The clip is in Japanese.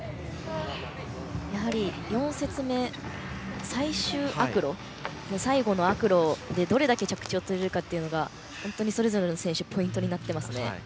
やはり４節目の最終アクロ最後のアクロでどれだけ着地を決めれるかが本当にそれぞれの選手ポイントになってますね。